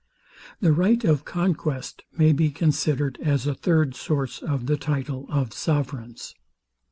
The right of conquest may be considered as a third source of the title of sovereigns.